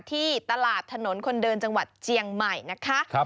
ที่ตลาดถนนคนเดินจังหวัดเจียงใหม่นะคะ